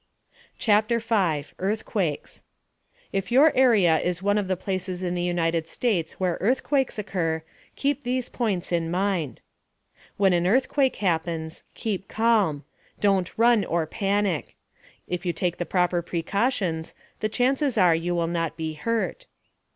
CHAPTER 5 EARTHQUAKES If your area is one of the places in the United States where earthquakes occur, keep these points in mind: When an earthquake happens, keep calm. Don't run or panic. If you take the proper precautions, the chances are you will not be hurt.